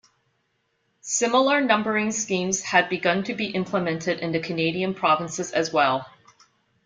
Similar numbering schemes had begun to be implemented in the Canadian provinces as well.